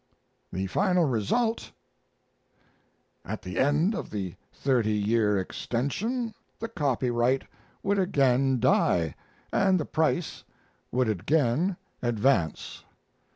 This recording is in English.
The Final Result: At the end of the thirty year extension the copyright would again die, and the price would again advance.